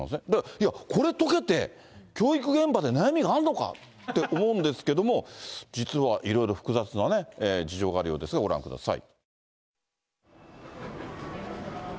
いや、これ解けて、教育現場で悩みがあるのかって、思うんですけど、実はいろいろ複雑なね、事情があるようですが、ご覧ください。